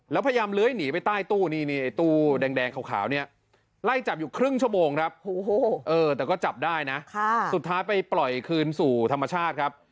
แล้วพยายามเลื้อยหนีไปใต้ตู้นี่ไอ้ตู้แดงขาวเนี่ยไล่จับอยู่ครึ่งชั่วโมงครับแต่ก็จับได้นะสุดท้ายไปปล่อยคืนสู่ธรรมชาติครับ